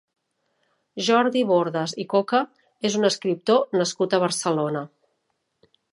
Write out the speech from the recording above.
Jordi Bordas i Coca és un escriptor nascut a Barcelona.